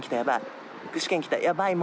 やばい。